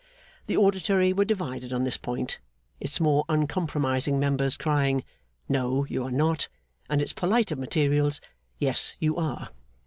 The auditory were divided on this point; its more uncompromising members crying, 'No, you are not,' and its politer materials, 'Yes, you are.